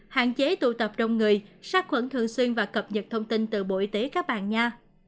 hạn chế tụ tập đông người sát khuẩn thường xuyên và cập nhật thông tin từ bộ y tế các bàn nha